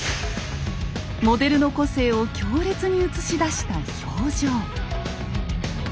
モデルの個性を強烈に写し出した表情。